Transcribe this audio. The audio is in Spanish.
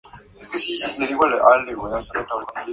El álbum fue producido por Ross Robinson.